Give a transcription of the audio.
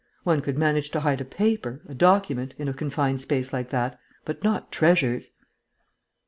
One could manage to hide a paper, a document, in a confined space like that, but not treasures."